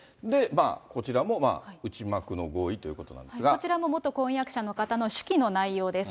こちらもまあ、内幕の合意とこちらも元婚約者の方の手記の内容です。